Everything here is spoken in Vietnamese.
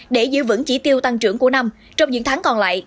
để giữ vững chỉ tiêu tăng trưởng của năm trong những tháng còn lại